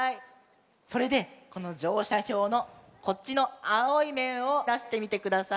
それでこのじょうしゃひょうのこっちのあおいめんをだしてみてください。